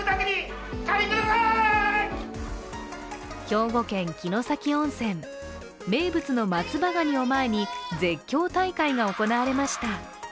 兵庫県城崎温泉、名物の松葉ガニを前に絶叫大会が行われました。